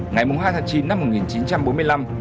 ngày hai tháng chín năm một nghìn chín trăm bốn mươi năm